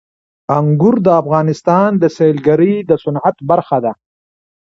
انګور د افغانستان د سیلګرۍ د صنعت برخه ده.